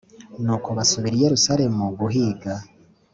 Nuko basubira i Yerusalemu guhiga.